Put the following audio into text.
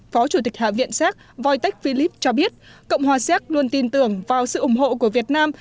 phó chủ tịch hạ viện xác wojtek filip cho biết cộng hòa xác luôn tin tưởng vào sự ủng hộ của việt nam